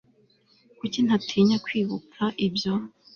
Kuki ntatinya kwibuka ibyo